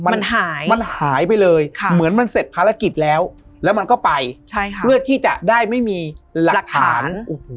มันหายมันหายไปเลยเหมือนมันเสร็จภารกิจแล้วแล้วมันก็ไปใช่ค่ะเพื่อที่จะได้ไม่มีหลักฐาน